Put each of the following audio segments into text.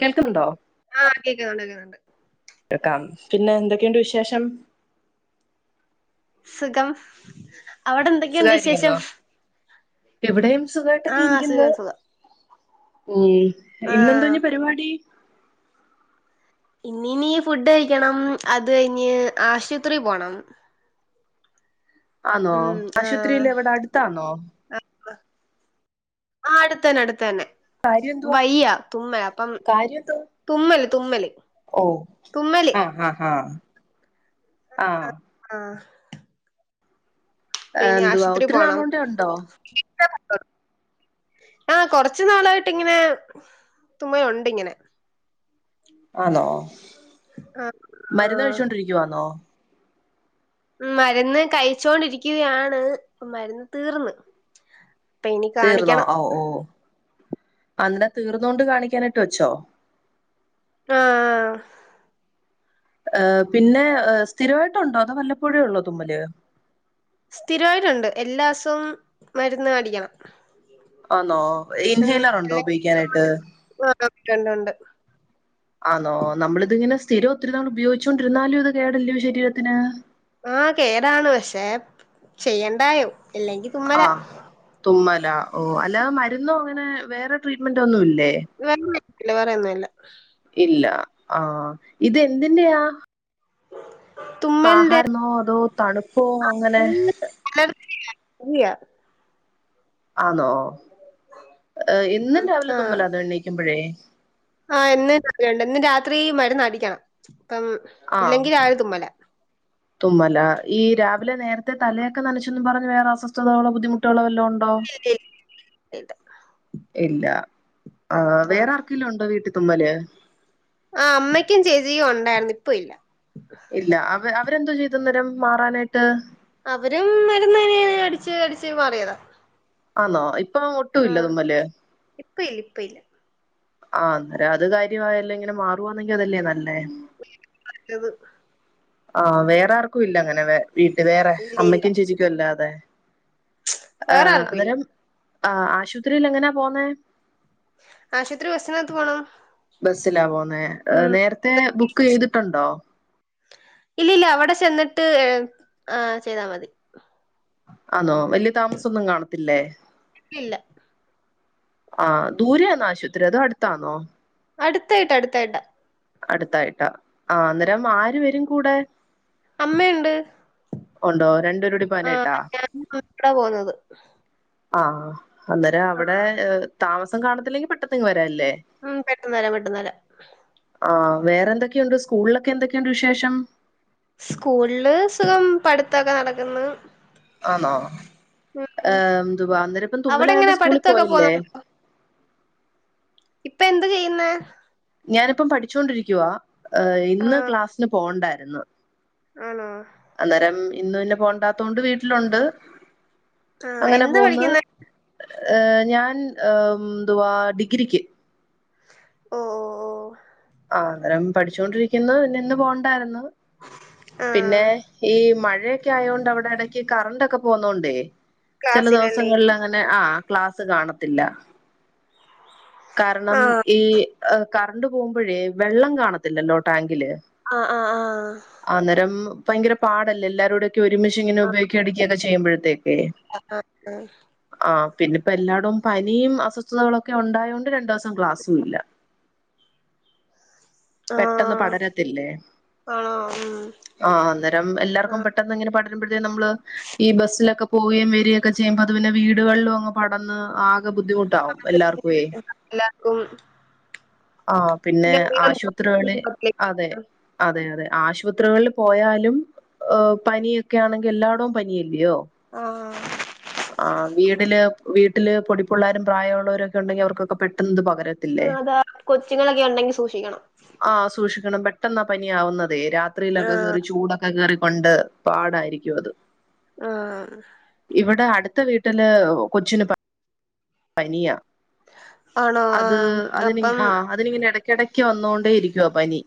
കേൾക്കുന്നുണ്ടോ ആഹ് കേക്കുന്നുണ്ട് കേക്കുന്നുണ്ട് കേക്കാം പിന്നെ എന്തൊക്കെയുണ്ട് വിശേഷം സുഖം അവിടെ എന്തൊക്കെയുണ്ട് വിശേഷം സുഖരിക്കുന്നോ എവിടെയും സുഖയിട്ടൊക്കെ ആഹ് ഇരിക്കുന്ന സുഖം സുഖം ഉ ആഹ് ഇന്നെന്തോഞ്ഞ പരിപാടി ഇന്നനി ഫുഡ് കഴിക്കണം അത് കഴിഞ്ഞ് ആശുപത്രി പോണം ആന്നോ ഉം ആശുപത്രിൽ എവിടെ അടുത്താണോ ആ അടുത്തന്നെ അടുത്ത തന്നെ കാര്യം എന്തുവാ വയ്യ തുമ്മല അപ്പം കാര്യം എന്തുവാ തുമ്മല് തുമ്മല് ഓ തുമ്മല് ആഹ് ഹാ ഹാ ആഹ് ആഹ് ഇപ്പ ഇനി എന്തുവാ ആശുപത്രി ഒത്തിരി പോണം നാളുകൊണ്ട് ഉണ്ടോ ആ കൊറച്ചു നാളായിട്ടിങ്ങനെ ച്ചുമയുണ്ടിങ്ങനെ ആന്നോ ആഹ് ആഹ് മരുന്ന്ഴിച്ചൊണ്ടിരിക്കവാന്നോ ഉ മരുന്ന് കഴിച്ചോണ്ടിരിക്കുകയാണ് ഇപ്പ മരുന്ന് തീർന്ന് ഇപ്പൊ ഇനി തീർന്നോ കാണിക്കണം ഓ ഓ അന്നട്ട് തീർന്നൊണ്ട് കാണിക്കാനായിട്ട് വെച്ചോ ആഹ് ആഹ് ഏ് പിന്നെ സ്ഥിരമായിട്ടുണ്ടോ അതോ വല്ലപ്പോഴേ ഉള്ളോ തുമ്മല് സ്ഥിരമായിട്ടുണ്ട് എല്ലാസവും മരുന്ന് മേടിക്കണം ആന്നോ ഇൻഹേലർ ഉണ്ടോ ഉപയോഗിക്കാനായിട്ട് ആ ഉണ്ട ഉണ്ട് ഉണ്ട് ആണോ നമ്മളിത്ങ്ങനെ സ്ഥിരം ഒത്തിരി നാൾ ഉപയോഗിച്ചോണ്ടിുന്നാലും ഇത് കേടില്ലോ ശരീരത്തിന് ആഹ് കേടാണ് പക്ഷേ ചെയ്യണ്ടായോ ഇല്ലെങ്കി തുമ്മല ആഹ് തുമ്മല ഓ അല്ലാതെ മരുന്നും അങ്ങനെ വേറെ ട്രീറ്റ്മെന്റ് ഒന്നും ഇല്ലേ.. വേല്ല വറെയൊന്നും ഇല്ല.. ഇല്ല ആ ഇതന്തിന്റെയാ.. തുമ്മലിന്റെ ആഹാരമോ അതോ തണുപ്പോ അങ്ങനെ.. പുള്ളേട്ത് ഇല്ല്യ.. ആണോ എന്നും രാവിലെ തുമ്മലാന്ന് എണീക്കുമ്പോഴെ ആഹ എന്നുംണ്ട് എന്നും രാത്രി മരുന്ന് അടിക്കണം അപ്പം. ആഹ ഇല്ലെങ്കി രാവിലെ തുമ്മലാ. തുമ്മല ഈ രാവിലെ നേരത്തെ തലയൊക്കെ നനച്ചു പറഞ്ഞഞ് വേറെ അസ്വസ്ഥതകളോ ബുദ്ധിമുട്ടുകളോ വല്ലോ ഉണ്ടോ ഇല്ല ഇല്ല ഇല്ല ആ ആഹ് വേറെ ആർക്കെിലോ ഉണ്ടോ വീട്ടത്തുമ്മല്.. ആ അമ്മയ്ക്കും ചേച്ചിക്കും ഉണ്ടായിരുന്നു ഇപ്പ ഇല്ല. ഇല്ല അവ അവരെന്തോ ചെയ്ത നേേരം മാറാനായിട്ട്. അവരും മരുന്ന തന്നെയാണ് അടിച്ച് അടിച്ചു മാറിയതാ.. ആന്നൊ ഇപ്പൊ. മം ഇപ്പ ഇല്ല ഇപ്പ ഇല്ല.. ആഹ് അന്നേരം അത് കാര്യമായല്ലാം ഇങ്ങനെ മാറുവാന്നെങ്കിൽ അതല്ലേ നല്ലേ. നല്ലത് ആഹ വേറെ ആർക്കും ഇല്ല അങ്ങനെ വ.. വീട്ട് വേറെ ഇല്ല ഇല്ല. അമ്മയ്ക്കും ചേച്ചിക്കും അല്ലാതെ വേറെ ആഹ് ആർക്കും ഇല്ല. അന്നരം.. ആഹ് ആശുപത്രിയിൽ എങ്ങനാ പോന്നേ.. ആശുപത്രി ബസ്സിനാത്ത് പോണം.. ബസ്സിലാ പോന്നേ ഉം നേരത്തെ ബുക്ക് ചെയ്തിട്ടുണ്ടോ.. ഇല്ലില്ല അവിടെ ചെന്നിട്ട് ഏഹ് ആഹ് ചെയ്താൽ മതി.. ആന്നോ വല്യ താമസം ഒന്നും കാണത്തില്ലേ. ഇല്ല ആഹ് ദൂരെയാന്നോ ആശുപത്രി അതൊ അടുത്താന്നോ. അടുത്തായിട്ടാ അടുത്തായിട്ടാ. അടുത്തായിട്ടാ ആഹഹ് അന്നരം ആര് വരും കൂടെ. അമ്മയുണ്ട്. ഉണ്ടോ രണ്ട്.. ആഹ് ഞാനും [unintelligible] പോന്നത്. ആഹ് അന്നരം അവിടെ താമസം കാണത്തില്ലെങ്കിൽ പെട്ടെന്നിങ് വരാല്ലേ. ഉം പെട്ടെന്ന് വരാം പെട്ടെന്ന് വരാം. ആഹ് വേറെ എന്തൊക്കെയുണ്ട് സ്കൂളിലൊക്കെ എന്തൊക്കെയുണ്ട് വിശേഷം. സ്കൂളില് സുഖം പഠിത്തൊക്കെ നടക്കുന്നു. ആന്നോ ഉം ഉം ഏഹ് എന്തുവാ നിനക്ക് അവിടെ എങ്ങനെ തുമ്മലായോണ്ട് സ്കൂളിൽ പഠിത്തൊക്കെ പോയില്ലേ. പോന്നുണ്ടോ ഇപ്പ എന്ത് ചെയ്യുന്ന.. ഞാനിപ്പം പഠിച്ചോണ്ടിരിക്കുവാ ആ ഇന്ന് ക്ലാസിന് പോണ്ടായിരുന്നു. ആണോ. അന്നരം ഇന്ന് പിന്നെ പോണ്ടാത്തതൊണ്ട് വീട്ടിലുണ്ട്. ആ അങ്ങനെ എന്താ പോന്ന് പഠിക്കുന്നെ ഏഹ് ഞാൻ ഏഹ് എന്തുവാ ഡിഗ്രിക്ക്. ഓ ഓ.. ആഹ് അന്നരം പഠിച്ചോണ്ടിരിക്കുന്നു ഇന്ന് പോണ്ടായിരുന്നു. സസ് ആ.. പിന്നെ ഈ മഴയൊക്കെ ആയോണ്ട് അവിടെ ഇടക്ക് കറണ്ട് ഒക്കെ പോന്നതൊണ്ടേ. ചില ക്ലാസ്സിലല്ലേ ദിവസങ്ങളിൽ അങ്ങനെ ആഹ് ക്ലാസ്സ് കാണത്തില്ല. കാരണം ആ ഈ കറണ്ട് പോകുമ്പോഴേ വെള്ളം കാണത്തില്ലല്ലോ ടാങ്കില്.. ആഹ് ആഹ് അന്നരം ഭയങ്കര പാടല്ലെ എല്ലാരൂടെ.. ഒരുമെഷീൻ ഇങ്ങനെ ആ ഉപയോഗിക്കെ അടക്കൊക്കെ ചെയ്യുമ്പോഴത്തേക്കേ ആ ആ ആഹ് പിന്നെപ്പോ എല്ലാടും പനിയും അസ്വസ്ഥതകളൊക്കെ ഉണ്ടായതോണ്ട് രണ്ട് ദിവസ ക്ലാസും ഇല്ല പെട്ടെന്ന് ആഹ് ആണോ ഉം ആഹ് അന്നരം ആ എല്ലാർക്കും പെട്ടെന്ന് ഇങ്ങനെ വരുബഴ് നമ്മള് ഈ ബസ്സിലൊക്കെ പോകയും വരിയൊക്കെ ചെയ്യുമ്പോ അത് പിന്നെ വീടുകളിലും അ പടന്ന് ആകെ ബുദ്ധിമുട്ടാവും എല്ലാർക്കേ എല്ലാർക്കും ആഹ് പിന്നെ ആശുപത്രികളിൽ അതെ അതെ അതെ ആശുപത്രികളിൽ പോയാലും പനിയൊക്കെ ആണെങ്കിൽ എല്ലായിടും പനിയല്ലയോ ആഹ് ആഹ് വീടില് വീട്ടില് പൊടിപ്പിള്ളാരും പ്രായമുള്ളവരും ഒക്കെ ഉണ്ടെങ്കിൽ അവർക്കൊക്കെ പെട്ടന്ന് ഇത് പകര ഉം അതാ കൊച്ചുങ്ങളൊക്കെ ഉണ്ടെങ്കി സൂക്ഷിക്കണം ആഹ് സൂക്ഷിക്കണം പെട്ടെന്ന പനി ആവുന്നതേ രാത്രിയിലൊക്കെ ആഹ് കയറി ചൂട കേറിക്കൊണ്ട് പാടായിരിക്കും അത് ആഹ് ഇവിടെ അടുത്ത വീട്ടില് കൊച്ചിന് പനിയ ആണോ അത് ആഹ് അത് നി അപ്പം ആഹ് അതിനി ഇങ്ങനെ ഇടക്കിടക്ക് വന്നോണ്ടേ ഇരിക്കുവാ പനി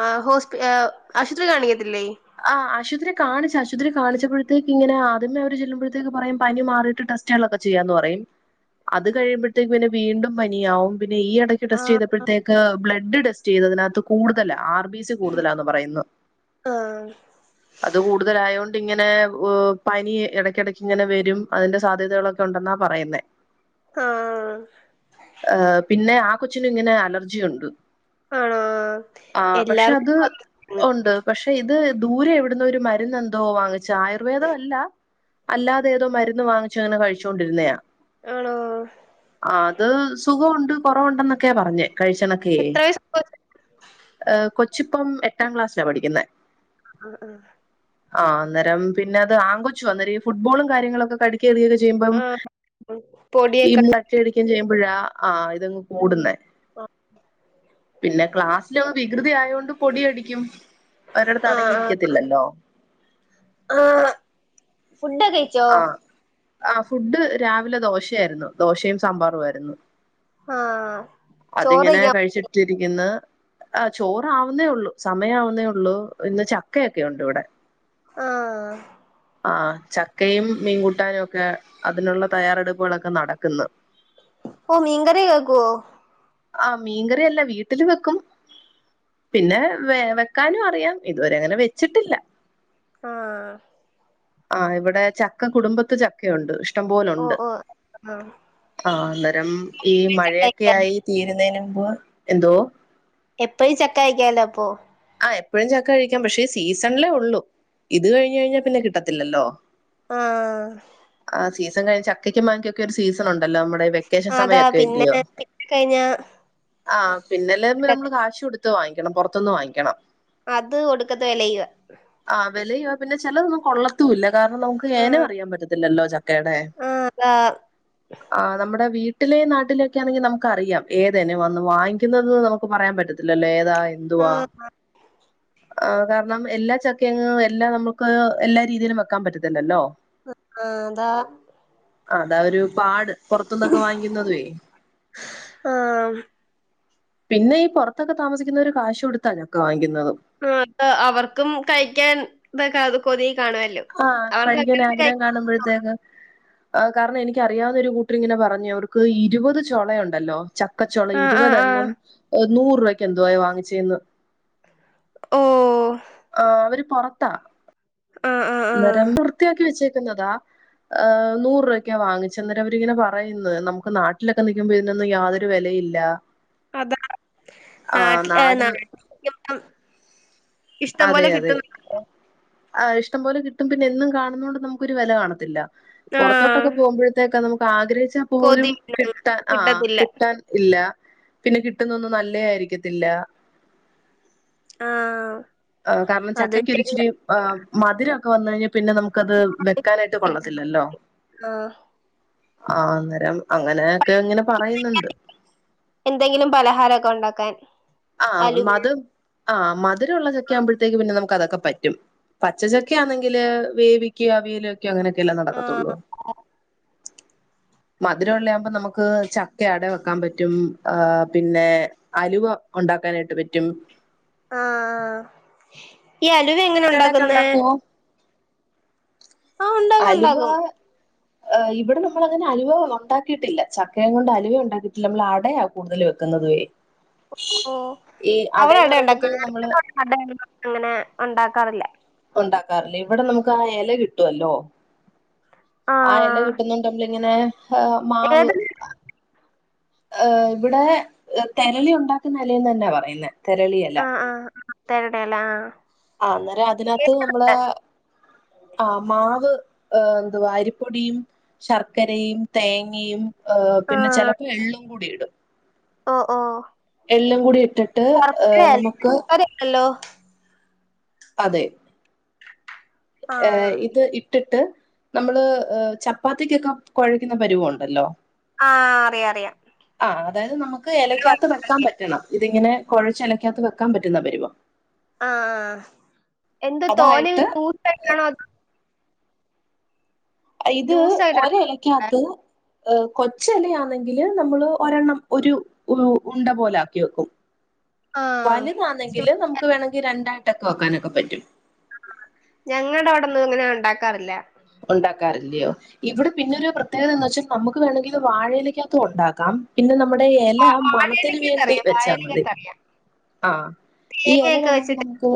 ആഹ് ഹോസ്പി ഏഹ് ആശുത്രി കാണിക്കത്തില്ലേ ആഹ് ആശുത്രി കാണിച്ച്. ആശുത്രി കാണിച്ചപ്പോഴത്തേക്ക് ങ്ങനെ ആദ്യമേ അവര് ചെല്ലുമ്പോഴത്തേക്ക് പറയും പനി മാറിയിട്ട് ടെസ് റ്റെളൊക്കെ ചെയ്യാന്ന് പറയും. അത് കഴിയുമ്പഴത്തേക്ക് പിന്നെ വീണ്ടും പനിയാവും. പിന്നെ ഈ എട ടെസ്റ്റ് ആഹ് ചെയ്തപ്പോഴത്തേക്ക് ബ്ലഡ് ടെസ്റ്റ് ചെയ്തതിനാത്ത് കൂടുതല. ആർ ബി സി കൂടുതലാന്ന് പറയുന്ന് ആഹ് അത് കൂടുതലായോണ്ട്ങ്ങനെ പനി എടക്കിടക്ക്ങ്ങനെ വരും അത് ൻ്റെ സാധ്യതകളൊ ട്ട്ണ്ടൊന്നാ പറയുന്നേ ആഹ് ആഹ് പിന്നെ ആ കൊച്ചിനും ങ്ങനെ അലർജിയുണ്ട്. ആണോ ആഹ്. പക്ഷെ അത് എല്ലാർക്കും ഒണ്ട്. പക്ഷെ ഇത് ദൂരെ എവ്ട്ന്നോര് മര്ന്നെന്തോ വാങ്ങിച്ച. ആയുർവേദ അല്ല. അല്ലാതെ ഏതോ മര്ന്ന് വാങ്ങിച്ച ങ്ങനെ കഴിച്ചോണ്ടിരുന്നയാ. ആണോ ആഹ് അത് സുഖൊണ്ട് കൊറവ്ണ്ടെന്നൊക്കെയാ പറഞ്ഞേ. കഴിച്ചണക്കേ എത്ര വയസ് ഏഹ് കൊച്ച്പ്പം എട്ടാം ക്ലാസ്സിലാ പഠിക്ക്ന്നേ. ആഹ് ആഹ് ആഹ്. അന്നേരം പിന്നെത് ആങ്കൊ ച്ചുആ. അന്നേരം ഈ ഫുട്ബോളും കാര്യങ്ങളൊക്കെ ക ക്കെറിയൊക്കെ ചെയ്യ്മ്പം ആഹ് ഈ പൊടിയൊക്കെ ക്കടിക്കെയും ചെയ്യുമ്പോഴാ ആഹ് അഹ് ഇതങ്ങ് ഉം കൂട്‌ന്നെ. പിന്നെ ക്ലാസ്സിലവൻ വികൃതി ആയോണ്ട് പൊടിയടിക്കും. ഒരടത്ത് ആഹ് അടങ്ങി ആഹ് യിരിക്കത്തില്ലല്ലോ. ആഹ്. ഫുഡൊക്കെ കഴിച്ചോ ആഹ് ആ ഫുഡ് രാവ് ലെ ദോശയായിര്ന്നു. ദോശയും സാമ്പാറും ആയിര്ന്നു. ആഹ് ചോറ് അതിങ്ങനെ കഴിക്കാം കഴിച്ചിട്ടിരിക്ക്ന്ന്. ആഹ് ചോറാവ്ന്നേള്ളൂ. സമയവുന്നേ ഒള്ളൂ. ഇന്ന് ചക്കയൊക്കെ ഒണ്ട് ഇവടെ ആഹ് ആഹ് ആഹ് ചക്കയും മീൻകൂട്ടാനും ഒക്കെ അത് നുള്ള തയ്യാറെടുപ്പുകളൊക്കെ നടക്ക് ന്ന്. ഓഹ് മീൻകറികേക്കോ ആഹ് മീൻകറിയല്ല വീട്ടില് വെക്കും. പിന്നെ വെ വെക്കാനും അറിയാം. ഇതുവരെ ങ്ങനെ വെച്ചിട്ടില്ല. ആഹ് ആഹ് ഇവടെ ചക്ക കുടുംബത്ത് ച ക്കയൊണ്ട്. ഇഷ്ടം ഓ പോലുണ്ട് ഓ ആഹ് ആഹ് അന്നേരം ഈ മഴയൊക്കെയായി തീരുന്നേന് മ്പ് എന്തോ എപ്പഴും ചക്കയിക്കാലൊ അപ്പൊ ആഹ് എപ്പോഴും ചക്ക കഴിക്കാം. പക്ഷേ സീസൺലേ ഉള്ളൂ. ഇത് കഴിഞ്ഞഴ്ഞ്ഞാ പിന്നെ കിട്ടത്തില്ലല്ലോ? ആഹ് ആഹ് സീസൺ കഴി ചക്കക്കും മാങ്ങക്കൊക്കെ ഒരു സീസൺ ഒണ്ടല്ലോ മ്മ ടെ വെക്കേഷൻ സമ അതാ യൊക്കെ പിന്നെ ഇല്ല്യയോ പിന്നെ കഴിഞ്ഞ ആഹ് പിന്നെല്ലേത് ന്‌ മ്മള് കാശൊട്ത്ത് വാങ്ങിക്കണം. പൊർത്ത്ന്ന് വാങ്ങിക്കണം. അത് ഒട്ക്കത്തെ വെലയുവാ. ആഹ് വിലയുവാ പിന്നെ ചെലതൊന്നും കൊള്ളത്തൂല്ല കാരണം നമുക്ക് ഏനവും ആഹ് അറിയാൻ പറ്റത്തില്ലല്ലോ ചക്കേടെ. ആഹ് [unintelligible] ഉ ആഹ് നമ്മടെ വീട്ടിലെയും നാട്ടിലെയൊക്കെ ആണെങ്കി നമുക്ക് അറിയാം. ഏതെനവാന്നും വാങ്ങിക്കുന്നത്തന്ന് നമുക്ക് പറയാൻ പറ്റ ല്ലല്ലോ. ഏതാ എന്തുവാ ആഹ് ആഹ് കാരണം എല്ലാ ചക്കയങ്ങ് എല്ലാ നമ്മുക്ക് അത് എല്ലാ രീതിയിലും വെക്കാം പറ്റത്തില്ലല്ലോ. ആഹ് താ ആഹ് താ ഒരു പാട്. പൊർത്തൂന്നൊക്കെ വാങ്ങിക്കുന്നതുവേ ആഹ് പിന്നെ ഈ പൊറത്തൊക്കെ താമസിക്കുന്നവര് കാശ് കൊട്ത്താ ചക്ക വാങ്ങിക്കുന്നത്. ആഹ് അവർക്കും കഴിക്കാൻ തൊക്കെ അ കൊതി കാണുവാല്ലോ ആഹ് കഴിക്കാൻ ആഗ്രഹം കാണുമ്പഴത്തേക്ക്. ആഹ് കാരണം എനിക്കറിയാവുന്ന ഒരു കൂട്ടര് ഇങ്ങനെ പറഞ്ഞു അവർക്ക് ഇരുപത് ചൊളയൊണ്ടല്ലോ ചക്കച്ചൊള ആഹ് ആഹ് ആഹ് ഇരുപതെണ്ണം ഏഹ് നൂറ് രൂപയ്ക്ക് എന്തുവാ വാങ്ങിച്ചേന്ന് ഓഹ് ആഹ് അവര് പൊറത്താ ആഹ് ആഹ് ആഹ് അന്നേരം വൃത്തിയാക്കി വെച്ചേക്കുന്നതാ ഏഹ് നൂറ് രൂപക്കാ വാങ്ങിച്ചന്നേരം അവരിങ്ങനെ പറയ്ന്ന് നമുക്ക് നാട്ടിലൊക്കെ നിക്കുമ്പോ ഇതിനൊന്നും യാതൊരു ഒര് വെലയില്ല അതാ ആഹ് നാട്ടില് നാട് നാട്ടി [unintelligible] ഇഷ്ട്ടം അതെ പോലെ കിട്ടു അതെ [unintelligible] ആഹ് ഇഷ്ട്ടം പോലെ കിട്ടും പിന്നെ എന്നും കാണുന്നതുകൊണ്ട് നമുക്കൊരു വെല കാണത്തില്ല പൊറത്തോട്ട് ആഹ് ട്ടൊക്കെ പോകുമ്പഴ്ത്തേക്കാ നമുക്ക് ആഗ്രഹിച്ചാ പോലും കൊതി കിട്ടാൻ ആഹ് കിട്ടത്തില്ല കിട്ടാൻ ഇല്ല പിന്നെ കിട്ടുന്നൊന്നും നല്ലേ ആയിരിക്കത്തില്ല ആഹ് ആഹ് കാരണം അതും ചക്കക്ക് ഒര് ശരിയാ ഇച്ചിരി മധുരൊക്കെ വന്ന് കഴിഞ്ഞാ പിന്നെ നമുക്ക് ക്കത് വെക്കാനായിട്ട് കൊള്ളത്തില്ലല്ലോ ആഹ് ആഹ് അന്നേരം അങ്ങനെയൊക്കെ ഇങ്ങനെ പറയുന്നുണ്ട് എന്തെങ്കിലും പലഹാരൊക്കെ ഒണ്ടാക്കാൻ ആഹ് മധ് ആഹ് മധുരൊള്ള ചക്ക ആവുമ്പഴത്തേക്ക് പിന്നെ നമുക്ക് അതൊക്കെ പറ്റും പച്ചചക്ക ആന്നെങ്കില് വേവിക്കോ അവിയല് വെക്കെയോ അങ്ങനെയൊക്കെ അല്ലെ നടക്കത്തുള്ളൂ ആഹ് മധുര ഒള്ള ആവുമ്പോ നമ്മക്ക് ചക്ക അട വെക്കാൻ പറ്റും ആഹ് പിന്നെ അലുവ ഒണ്ടാക്കാനായിട്ട് പറ്റും ആഹ് ഈ അലുവ എങ്ങനെ കടയൊക്കെ ഒണ്ടാക്കുന്നെ ഉണ്ടാക്കുവോ ഉണ്ടാക്കും അലുവ ഉണ്ടാക്കും ഏഹ് ഇവിടെ നമ്മളങ്ങനെ അലുവ ഒണ്ടാക്കിയിട്ടില്ല ചക്കയും കൊണ്ട് അലുവ ഒണ്ടാക്കിയിട്ടില്ല നമ്മൾ ആടയാ കൂടുതല് വെക്കുന്നതുവേ ഓഹ് ഈ അടയെന്ന് പറയുമ്പോത്തേന് നമ്മള് അട [unintelligible] അങ്ങനെ ഒണ്ടാക്കാറില്ലാ ഒണ്ടാക്കാറില്ല ഇവിടെ നമുക്ക് ആ എല കിട്ടുവല്ലോ ആ എല ആഹ് കിട്ടുന്നോണ്ട് നമ്മള് ഇങ്ങനെ ഏഹ് മാവ് ഏത് ഏഹ് ഇവിടെ തെരളി ഒണ്ടാക്കുന്ന എലയെന്ന് തന്നാ പറയുന്നെ തെരളി എല ആഹ് ആഹ് തെരളി എല ആഹ് ആഹ് അന്നേരം അതിനാത്ത് നമ്മള് കേട്ടിട്ടുണ്ട് ആഹ് മാവ് ഏഹ് എന്തുവാ അരിപ്പൊടിയും ശർക്കരയും തേങ്ങയും ഏഹ് പിന്നെ ആഹ് ചെലപ്പൊ എള്ളും കൂടി ഇടും ഓഹ് ഓഹ് എള്ളും കൂടി ഇട്ടിട്ട് ഏഹ് നമുക്ക് ഹലോ അതെ ആഹ് ഏഹ് ഇത് ഇട്ട് ഇട്ട്ട്ട് നമ്മള് ഏഹ് ചപ്പാത്തിക്കൊക്കെ കൊഴയ്ക്കുന്ന പരുവോണ്ടല്ലോ ആഹ് അറിയാ അറിയാ ആഹ് അതായത് നമ്മക്ക് എലയ്ക്കാത്ത് വെക്കാൻ പറ്റണം ഇതിങ്ങനെ കൊഴച്ച് എലക്കാത്ത് വെക്കാൻ പറ്റുന്ന പരുവം ആഹ് ആഹ് എന്ത് തോനെ ഒര് അതായിട്ട് കൂട്ടായിട്ടാണോ അതോ അ ഇത് ലൂസായിട്ടാണോ ഒര് ഉണ്ടാ എലക്കാത്ത് ഏഹ് കൊച്ചെലയാണെങ്കില് നമ്മള് ഒരെണ്ണം ഒരു ഉ ഉണ്ട പോലാക്കി വെക്കും ആഹ് വലുതാന്നെങ്കില് നമുക്ക് വേണെങ്കി രണ്ടായിട്ടൊക്കെ വെക്കാനൊക്കെ പറ്റും ഞങ്ങടെ അവിടൊന്നും ഇങ്ങനെ ഒണ്ടാക്കാറില്ല ഒണ്ടാക്കാറില്ലിയോ? ഇവിടെ പിന്നൊരു പ്രത്യേകത എന്ന് വെച്ചാ നമ്മുക്ക് വേണമെങ്കില് വാഴയിലക്കാത്തും ഉണ്ടാക്കാം പിന്നെ നമ്മടെ എല വാ- മണത്തിന് വേണ്ടി വാഴയിലക്കകത്തറിയാം വെച്ചാ മതി വാഴയിലക്കകത്തറിയാം ആഹ് ഈ എല തേങ്ങയൊക്കെ വേണെങ്കി വെച്ചിട്ട് നമുക്ക്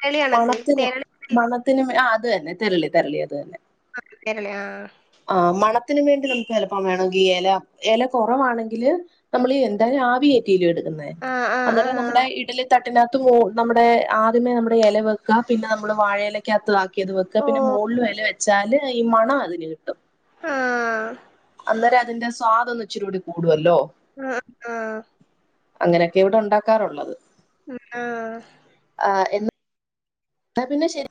തേരളി കണക്ക് മണത്തിന് തേരളി മണത്തിനും ആഹ് അത് തന്നെ തെരളി തെരളി അത് തന്നെ ആഹ് തെരളി ആഹ് ഓഹ് മണത്തിന് വേണ്ടി നമുക്ക് ചെലപ്പം വേണെങ്കി എല എല കൊറവാണെങ്കില് നമ്മള് എന്തായാലും ആവി കേറ്റിയല്ലേ എടുക്കുന്നെ ആഹ് ആഹ് അന്നേരം ആഹ് നമ്മുടെ ഇഡലി തട്ട് തട്ടിന്റകത്ത് നമ്മുടെ ആദ്യമേ നമ്മുടെ എല വെക്കാ പിന്നെ നമ്മള് വാഴയിലക്കകത്ത്താ ക്കിയത് വെക്ക ഓ പിന്നെ മോൾലും എല വെച്ചാല് ഈ മണം അതിന് കിട്ടും ആഹ് ന്നേരം അതിന്റെ സ്വാദ് ഒന്ന് ഇച്ചിരിയൂടി കൂടുവല്ലോ ആഹ് ആഹ് അങ്ങനെയൊക്കെ ഇവിടെ ഉണ്ടാക്കാറുള്ളത് ആഹ് [unintelligible] ന്നാ പിന്നെ ശരി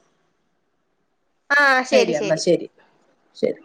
ശരി എന്നാ ശരി ശരി